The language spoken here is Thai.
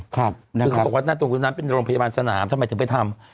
คือเขาบอกว่าหน้าตรงตรงนั้นเป็นโรงพยาบาลสนามทำไมถึงไปทำ